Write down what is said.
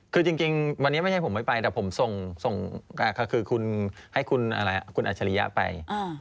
คือจริงวันนี้ไม่ใช่ผมไม่ไปแต่ผมส่งคุณอัชริยะไป